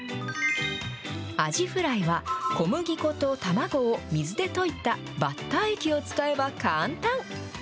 アジフライは小麦粉と卵を水で溶いたバッター液を使えば簡単。